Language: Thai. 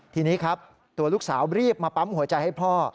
ทีนี้ครับตัวลูกสาวรีบมาปั๊มหัวใจให้พ่อ